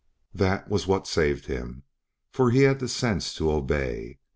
That was what saved him, for he had the sense to obey.